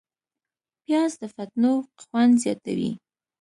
پیاز د فټنو خوند زیاتوي